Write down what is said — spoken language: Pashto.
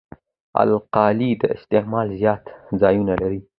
القلي د استعمال زیات ځایونه لري.